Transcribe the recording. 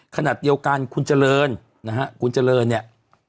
ขณะเดียวกันคุณเจริญนะฮะคุณเจริญเนี่ย